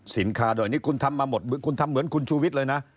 ด้วยนี่คุณทำมาหมดคุณทำเหมือนคุณชูวิทย์เลยนะ